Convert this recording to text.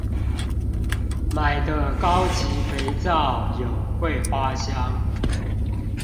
買的高級肥皂有桂花香